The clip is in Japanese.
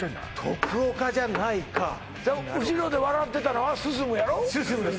徳岡じゃないか後ろで笑ってたのは進やろ進です